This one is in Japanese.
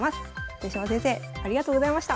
豊島先生ありがとうございました。